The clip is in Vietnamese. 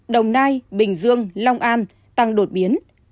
đồng nai bình dương long an tăng đột biến